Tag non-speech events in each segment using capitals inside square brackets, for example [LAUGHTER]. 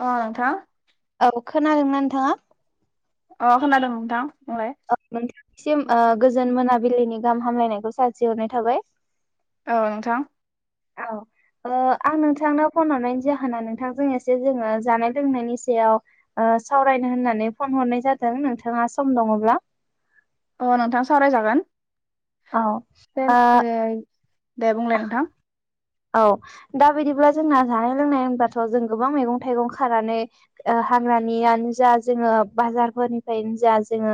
अ नोंथां। अ खोनादोंना नोंथाङा? अ खोनादों नोंथां। बुंलाय औ नोंथांसिम ओ गोजोन मोनाबिलिनि गाहाम हामलायनायखौ जासि हरनाय थाबाय। औ नोंथां। औ ओ आं नोंथांनो फन हरनायनि जाहोना नोंथांजों एसे जोङो जानाय लोंनायनि सायाव ओ सावरायनो होननानै फन हरनाय जादों नोंथाङा सम दङब्ला? अ नोंथां सावरायजागोन। औ ओ दे बुंलाय नोंथां? औ दा बिदिब्ला जोंना जानाय लोंनाय होनब्लाथ' जों गोबां मैगं थाइगं खानानै ओ हाग्रानियानो जा जोङो बाजारफोरनिफ्रायनो जा जोङो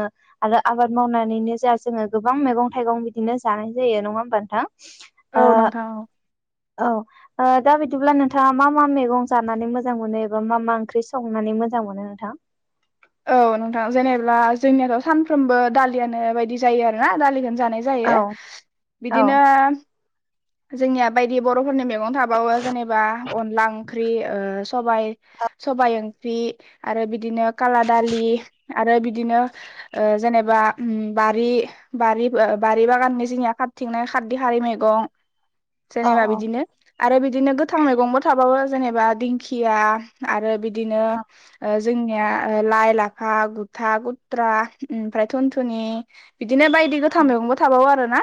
आरो आबाद मावनानैनो जा जोङो गोबां मैगं थाइगं बिदिनो जानाय जायो नङा ओमबा नोंथां? औ ओ नोंथां औ औ ओ दा बिदिब्ला नोंथाङा मा मा मैगं जानानै मोजां मोनो एबा मा मा ओंख्रि संनानै मोजां मोनो? मोनो नोंथां? औ नोंथां जेनेब्ला जोंनियाथ' सानफ्रोमबो दालियानो बायदि जायो आरोना दालिखौनो। जानाय औ जायो औ बिदिनो जोंनिया बायदि बर'फोरनि मैगं थाबावो जेनेबा अनला ओंख्रि ओ सबाय। सबाइ ओंख्रि आरो बिदिनो खाला दालि आरो बिदिनो ओ जेनेबा उम बारि बारब ओ बारि बागाननि जोंनिया खारथिंनाय खारदै हारि मैगं औ जेनेबा बिदिनो आरो बिदिनो गोथां मैगंबो थाबावो। जेनेबा दिंखिया आरो बिदिनो औ ओ जोंनिया ओ लाइ लाफा गुथा गुथ्रा ओमफ्राय थुनथुनि बिदिनो बायदि गोथां औ मैगंबो थाबावो आरोना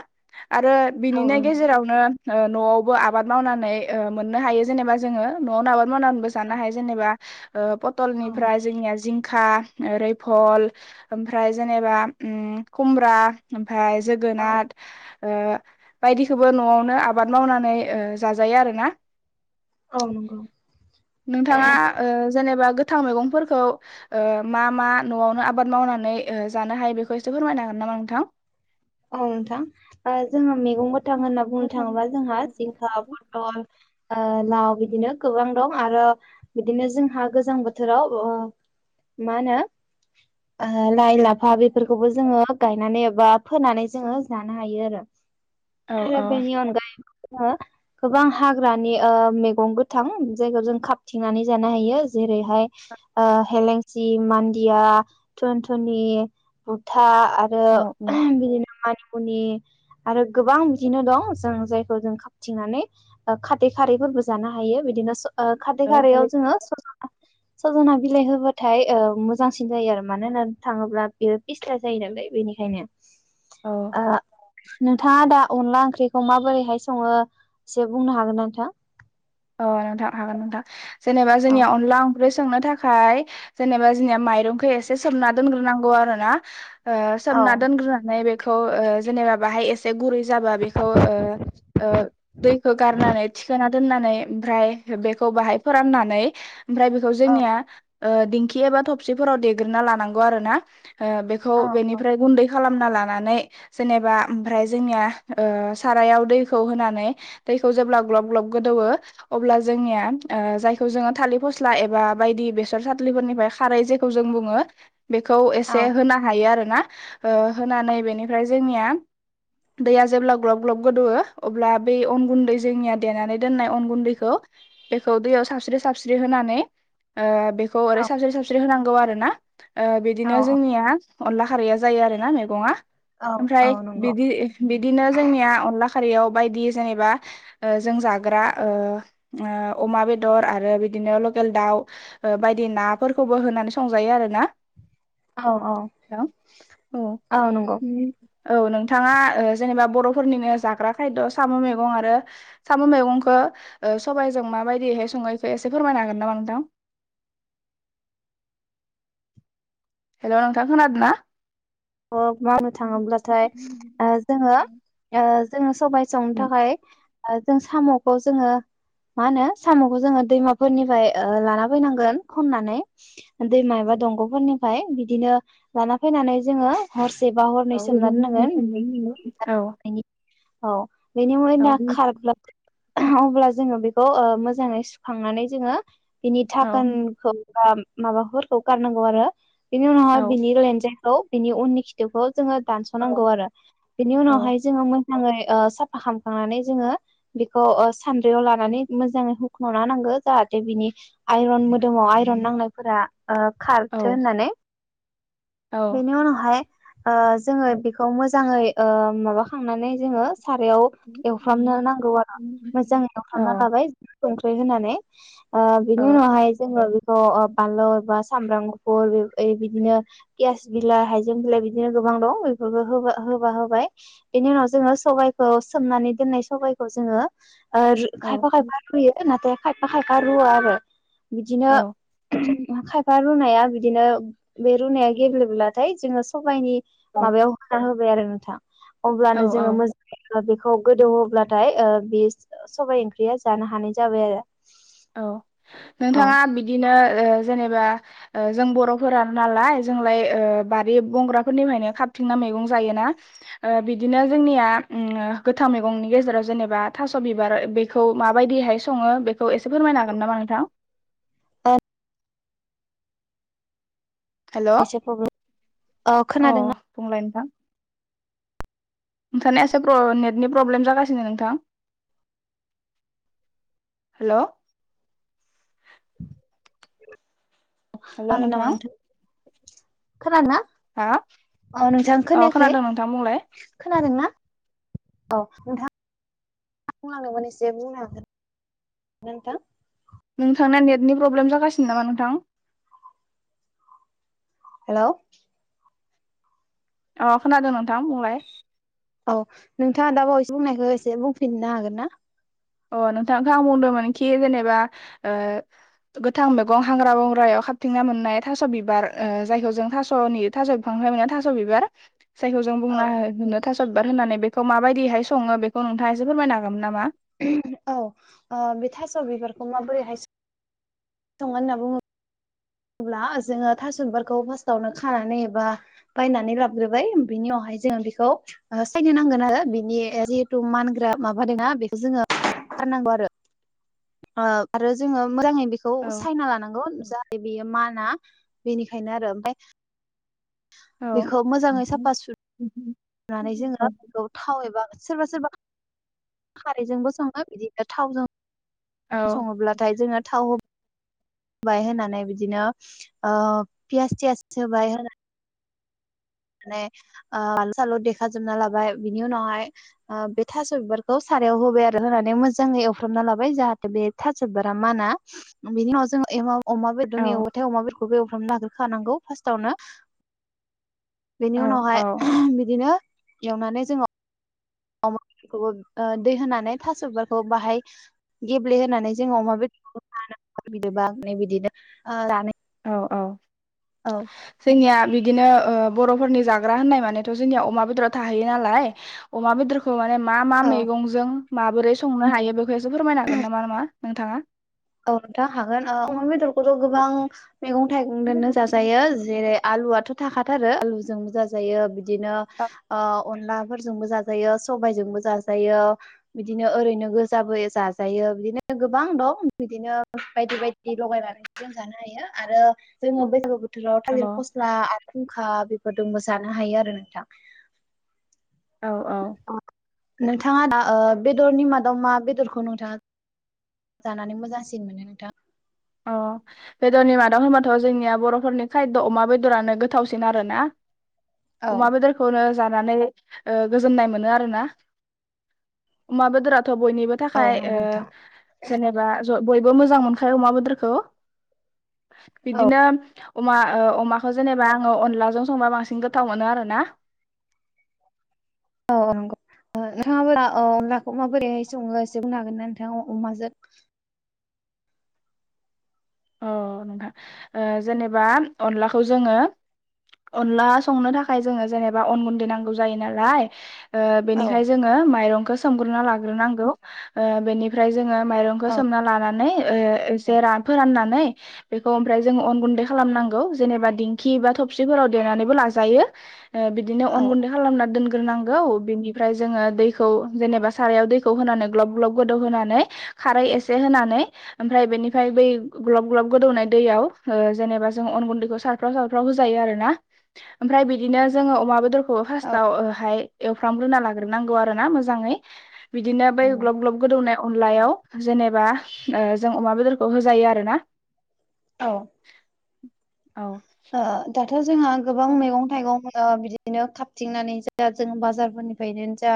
आरो औ बिनिनो नंगौ गेजेरावनो ओ न'आवबो आबाद मावनानै ओ मोननो हायो जेनेबा जोङो न'आवनो आबाद मावनानैबो औ जानो हायो जेनेबा ओ औ पटलनिफ्राय जोंनिया जिंखा, रैफल, ओमफ्राय जेनेबा उम खुमब्रा ओमफ्राय औ जोगोनार, ओ बायदिखौबो न'आवनो आबाद मावनानै जाजायो आरोना औ नंगौ नोंथाङा ओ जेनेबा गोथां मैगंफोरखौ ओ मा मा न'आवनो आबाद मावनानै ओ जानो हायो बेखौ एसे फोरमायनो हागोन नामा नोंथां? औ नोंथां ओ जोंहा मै गं गोथां होनना बुंनो थाङोब्ला जोंहा जिंखा, पथल, ओ लाव बिदिनो गोबां दं आरो बिदिनो जोंहा गोजां बोथोराव ओ माहोनो आ लाइ लाफा बेफोरखौबो जोङो गायनानै एबा फोनानै जोङो जानो हायो आरो। औ आरो बेनि अनगायैबो जोङो गोबां हाग्रानि ओ मैगं गोथां जायखौ जों खाबथिंनानै जानो हायो जेरैहाय ओ हेलेंसि, मान्दिया, थुनथुनि बुथा आरो बिदिनो मानि मुनि आरो गोबां बिदिनो दं जों जायखौ जों खाबथिंनानै खारथै खारैबो बो जानो हायो बिदिनो स ओ खारथै खारैयाव जोङो स सजना बिलाइ होबाथाय मोजांसिन जायो आरो मानो होननानै थाङोब्ला बेयो फिस्ला जायो नालाय बेनिखायनो। औ आ नोंथाङा दा अनला ओंख्रिखौ माबोरैहाय सङो एसे बुंनो हागोना नोंथां? अ नोंथां हागोन नोंथां जेनेबा औ जोंनिया अनला ओख्रि संनो थाखाय जेनेबा जोंनिया माइरंखौ एसे सोमना दोनग्रोनांगौ आरो ना ओ औ सोमना दोनग्रोनानै बेखौ ओ जेनेबा बाहाय एसे गुरै जाबा बेखौ ओ ओ दैखौ गारनानै थिखोना दोननानै ओमफ्राय बेखौ बाहाय फोराननानै ओमफ्राय बेखौ औ जोंनिया दिंखि एबा थबसिफोराव देग्रोना लानांगौ आरो ना बेखौ औ औ बेनिफ्राय गुन्दै खालामना लानानै जेनेबाजोंनि सारायाव दैखौ होनानै खौ जेब्ला ग्लब ग्लब गोदौवो अब्ला जोंनिया जायखौ जोङो थालिर फस्ला एबा बायदि बेसर साथलिफोरनिफ्राय खारै जेखौ जों बुङो बेखौ एसे औ होनो हायो आरोना। ओ होनानै बेनिफ्राय जोंनिया दैया जेब्ला ग्लब ग्लब गोदौयो अब्ला बै अन गुन्दै जोंनिया देनानै दोननाय अन गुन्दै गुन्दैखौ होनानै बेखौ ओरै साबस्रि साबस्रि होनांगौ आरो ना बिदिनो औ जोंनिया अनला खारैया जायो आरो ना मैगं आ औ ओमफ्राय औ नंगौ बिदि बिदिनो जोंनिया अनला खार फारियाव बायदि जेनेबा जों जाग्रा ओ ओ अमा बेदर आरो बिदिनो लकेल दाउ बायदि नाफोरखौबो होनानै संजायो। आरो ना औ औ औ औ नोंथाङा ओ जेनेबा बर'फोरनिनो जाग्रा खायद' साम' मैगं आरो साम' मैगंखौ सबाइजों माबायदिहाय सङो बेखौ एसे फोरमायनो हागोन नामा नोंथां। [INAUDIBLE] हेल' नोंथां खोनादों ना? मावनो थाङोब्लाथाय जोङो ओ जोङो सबाय संनो थाखाय जों साम'खौ जोङो मा होनो साम'खौ जोङो दैमाफोरनिफ्राय लाना फैनांगोन खननानै दैमा एबा दंग'फोरनिफ्राय बिदिनो लाना फैनानै जोङो हरसेबा औ हरनै सोमना दोननांगोन। औ बेनि औ उनाव खार्ला अब्ला जोङो बेखौ मोजाङै सुखांनानै जोङो बिनि थाखोनखौ बा माबाफोरखौ गारनांगौ आरो बिनि उनावहाय औ बिनि लेन्जाय बिनि उननि खिथोबखौ जोङो औ दानस'नांगौ आरो बिनि औ उनावहाय जोङो मोजाङै साफा खालामखांनानै जोङो बेखौ सानद्रियाव लानानै मोजाङै हुख्ल'ना नांगो जाहाथे जाहाथे बिनि आइरन मोदोमाव आइरन नांनायफोरा औ खारथो होननानै औ बेनि उनावहाय ओ जोङो बेखौ मोजाङै माबाखांनानै जोङो सारायाव एवफ्रामनो नांगौ आरो मोजां औ एवफ्रामना लाबाय संख्रि होनानै ओ बिनि उनावहाय जोङो बानलु बा सामब्राम गुफुर बिदिनो गेस बिलाइ हाइजें बिलाइ बिदिनो गोबां दं बेफोरखौ होबा होबाय बिनि उनाव जोङो सबाय खौ सोमनानै दोननाय सबायखौ जोङो ओ खायफा औ खायफा रुयो नाथाय खायफा खायफा रुवा आरो बिदिनो खायफा रुनाया बिदिनो बे रुनाया गेब्लेब्लाथाय जोङो सबायाइनि औ माबायाव होना होबाय आरो नोंथां अब्लानो जोङो औ मोजां बेखौ गोदौ होब्लाथाय ओ बे सबाइ ओंख्रिया जानो हानाय जाबाय आरो। औ औ नोंथाङा बिदिनो ओ जेनेबा जों बर'फोर नालाय जोंलाय बारि बंग्रा फोरनिफ्रायनो थिंना मैगं जायोना बिदिनो जोंनिया गोथां मैगंनि गेजेराव जेनेबा थास' बिबार बेखौ माबायदिहाय सङो बेखौ एसे फोरमायनो हागोन नामा नोंथां। ओ हेलौ एसे प्रब्लेम अ बुंलाय नोंथां? नोंथांनि एसे नेटनि प्रब्लेम जागासिनो नोंथां। हेलौ हागोन नामाथो खोनादों ना? हा अ नोंथां अ खोनायाखै खोनादों नोंथां बुंलाय खोनादोंना? औ नोंथां। [UNINTELLIGIBLE] बुंलांदोंमोन एसे बुंनो हागोन नोंथां नोंथांना नेटनि प्रब्लेम जागासिनो नामा नोंथां हेलौ अ खोनादों नोंथां बुंलाय औ नोंथाङा दा बावैसो बुंनायखौ एसे बुंफिननो हागोन ना? अ नोंथांखौ आं बुंदोंमोनखि जेनेबा ओ गोथां मैगं हांग्रा-बंग्रायाव खाबथिंना मोननाय थास' बिबार ओ जायखौ जों थास'नि थास' बिफां ना माया थास' बिबार जायखौ जों औ बुंना हो होनो थास' बिबार होननानै बेखौ माबायदिहाय सङो बेखौ नोंथाङा एसे फोरमायनो हागौमोन नामा औ ओ बे थास' बिबारखौ माबोरैहाय सङो होनना बुङो ब्ला जोङो थास' बिबारखौ फार्स्टावनो खानानै एबा बायनानै लाबग्रोबाय बेनियावहाय जोङो बेखौ ओ सायनो नांगोन आरो बिनि ओ जिहेथु मानग्रा माबा दोंना बेखौ जोङो गारनांगौ आरो ओ आरो जोङो मोजाङै बेखौ औ सायना लानांगौ जा माना बेनिखायनो आरो ओमफाय औ बेखौ मोजाङै साफा सु नानै जोङो बेखौ थाव एबा बा सोरबा सोरबा खारैजोंबो सङो बिदिनो थावजों सङोब्लाथाय जोङो थाव होबाय होनानै बिदिनो ओ पियास थियास सोबाय होनानै माने ओ आलौ सालौ देखाजोबना लाबाय बिनि उनावहाय ओ बे थास' बिबारखौ सा रायाव होबाय आरो होनानै मोजाङै एवफ्रामना लाबाय जाहाथे बे थास' बिबारा माना। बेनि उनाव जों एमाव अमा औ बेदरनि एवथाय अमाफोरखौबो एवफ्रामना लाग्रोखानांगौ फार्स्टावनो बेनि औ औ उनावहाय बिदिनो एवनानै जोङो अमा बेफोरखौबो ओ दै होनानै थास' बिबारखौ बाहाय गेब्लेहोनानै जोंङो अमा बे [INAUDIBLE] बिदनो ओ जानाय औ औ औ जोंनिया बि दिनो ओ बर'फोरनि जाग्रा होननाय मानेथ' जोंनिया अमा बेदर थाहैयो नालाय। अमा बेदरखौ माने मा मा औ मैगंजों माबोरै संनो हायो बेखौ एसे फोरमायनो हागोन नामा नामा नोंथाङा? औ नोंथां हागोन ओ अमा बेदरखौथ' गोबां मैगं थाइगं औ दोननो जाजायो जेरै- आलुआथ' थाखाथारो आलुजोंबो जाजायो बिदिनो ओ अनलाफोरजोंबो जाजायो, सबायजोंबो जाजायो बिदिनो ओरैनो गोजाबो जाजायो। बिदिनो गोबां दं बिदिनो बायदि बायदि लगायनानै जों जानो हायो आरो जोङो बेदरखौ बोथोराव थालिर फस्ला आरो खुंखा बेफोरदोंबो जानो हायो आरो नोंथां औ औ नोंथाङा दा ओ बेदरनि मादाव मा बेदरखौ नोंथाङा जानानै मोजांसिन मोनो नोंथां? अ बेदरनि मादाव होनबाथ' जोंनिया बर'फोरनि खायद' अमा बेदरानो गोथावसिन आरो ना औ अमा बेदरखौनो जानानै ओ गोजोन्नाय मोनो आरो ना । अमा बेदरा थ' बयनिबो औ थाखाय ओ नंगौ नोंथां जेनेबा ज' बयबो मोजां मोनखायो अमा बेदर खौ। औ बिदिनो अमा ओ अमाखौ जेनेबा आङो अनलाजों संबा बांसिन गोथाव मोनो आरोना ओ नोंगौ ओ नोंथांमोनहा ओ अनलाखौ माबोरैहाय सङो एसे बुंनो हागोन ना नोंथां अ-अमाजों अ नोंथां ओ जेनेबा अनलाखौ जोङो अनला संनो थाखाय जोङो जेनेबा अन गुन्दै नांगौ जायो नालाय ओ औ बेनिखाय जोङो माइरंखौ सोमग्रोना लाग्रोनांगौ ओ बेनिफ्राय जोङो माइरंखौ औ सोमना लानानै ओ एसे रान फोरानना नै बेखौ ओमफ्राय जों अन गुन्दै खालामनांगौ जेनेबा दिंखि बा थबसिफोराव देनानैबो लाायो। ओ बिदिनो औ अन गुन्दै खालामना दोन ग्रोनांगौ बेनिफ्राय जोङो दैखौ जेनेबा सारायाव दैखौ होनानै ग्लब ग्लब गोदौ होनानै खारै एसे होनानै ओमफ्राय बेनिफ्राय बै ग्लब ग्लब गोदौनाय दैयाव ओ जेनेबा जोंङो अन गुन्दैखौ सारफ्राव सारफ्राव होजायो आरो ना। ओमफ्राय बिदिनो जोङो अमा बेदर खौ फार्सताव ओ हाय एवफ्राम ग्रोना लाग्रोनांगौ आरोना मोजाङै बिदिनो बै नंगौ ग्लब ग्लब गोद दौनाय अनलायाव जेनेबा ओ जों अमा बेदरखौ होजायो आरोना औ औ ओ दाथ' जोंहा गोबां मैगं थाइगं ओ बिदिनो खााबथिंनानै जा जों बाजारफोरनिफ्रायनो जा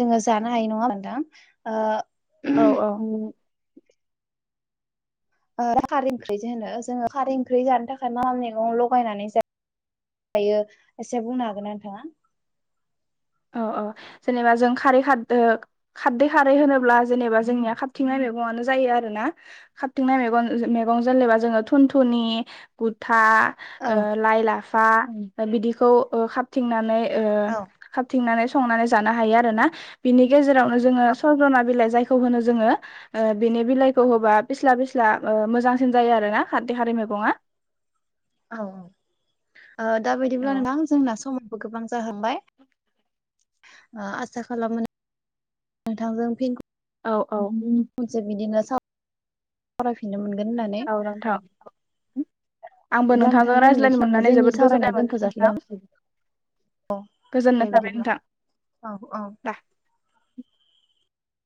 जोङो जानो हायो नङा होमबा नोंथां ओ औ औ [INAUDIBLE] ओ खारै ओंख्रि जे होनो जोङो खारै ओंख्रि जानो थाखाय मा मा मैगं लगायनानै जा यो एसे बुंनो हागोन ना नोंथाङा? अ अ जेनेबा जों खारै खार खारदै खारै होनोब्ला जेनेबा जोंनिया खाबथिंनाय मैगंआनो जा यो आरो ना खाबथिंनाय मेगन मेगं जेनेबा थुनथिनि [UNINTELLIGIBLE] फा औ ओ लाइ लाफा बिदिखौ ओ खाबथिंनानै औ ओ थिंनानै संनानै जानो हायो आरो ना बिनि गेजेरावनो जोङो सजना बिलाइ जायखौ होनो जोङो ओ बिनि बिलाइखौ होबा पिस्ला पिस्ला ओ मोजांसिन जायो आरो ना खारदै खारि मैगङा औ औ ओ दा बिदिब्ला औ नोंथां जोंना समा गोबां जाहांबाय ओ आसा खालामो नोंथांजों फिन औ औ मोनसे बिदिनो सावरायफिननो मोनगोन होननानै औ नोंथां औ आंबो बिदिब्ला नोंथां नोंथांजों जों रायज्लायनो बेखिनियावनो मोननानै जोंनि जोबोद गोजोननाय मोनदों नोंथां औ गोजोननाय दे थाबाय बिदिब्ला नोंथां ला औ औ